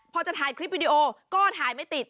พอจะถ่ายคลิปวิดีโอก็ถ่ายไม่ติด